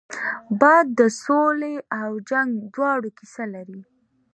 باد د سولې او جنګ دواړو کیسه لري